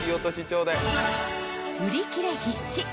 ［売り切れ必至］